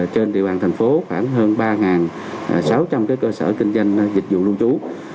trên địa bàn tp hcm khoảng hơn ba sáu trăm linh cơ sở kinh doanh dịch vụ lưu trú